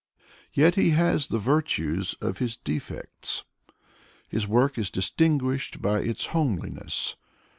Yet he has the virtues of his defects. His work is distinguished by its homeliness.